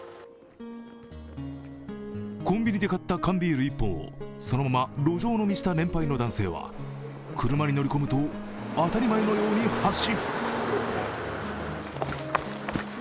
コンビニで買った缶ビール１本をそのまま路上飲みした年配の男性は車に乗り込むと当たり前のように発信。